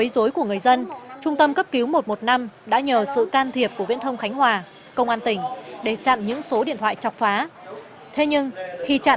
trung tâm cấp cứu một trăm một mươi năm đã nhờ sự can thiệp của viễn thông khánh hòa công an tỉnh để chặn những số điện thoại chọc phá